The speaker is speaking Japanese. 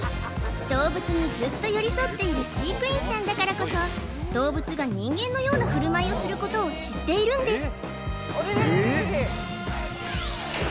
動物にずっと寄り添っている飼育員さんだからこそ動物が人間のような振る舞いをすることを知っているんです